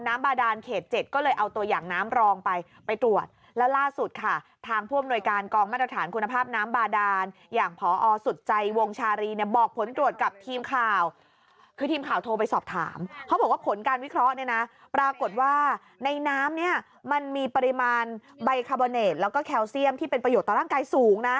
บาดานเขตเจ็ดก็เลยเอาตัวอย่างน้ำรองไปไปตรวจแล้วล่าสุดค่ะทางผู้อำนวยการกองมาตรฐานคุณภาพน้ำบาดานอย่างพอสุดใจวงชาลีเนี่ยบอกผลตรวจกับทีมข่าวคือทีมข่าวโทรไปสอบถามเขาบอกว่าผลการวิเคราะห์เนี่ยนะปรากฏว่าในน้ำเนี่ยมันมีปริมาณใบคาร์โบเนตแล้วก็แคลเซียมที่เป็นประโยชน์ต่อร่างกายสูงนะ